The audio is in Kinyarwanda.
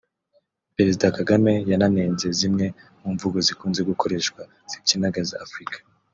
Perezida Kagame yananenze zimwe mu mvugo zikunze gukoreshwa zipyinagaza Afurika